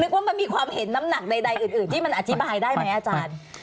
ว่ามันมีความเห็นน้ำหนักใดอื่นที่มันอธิบายได้ไหมอาจารย์